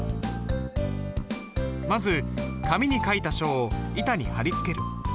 まず紙に書いた書を板に貼り付ける。